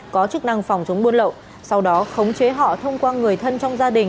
có chức năng phòng chống buôn lậu sau đó khống chế họ thông qua người thân trong gia đình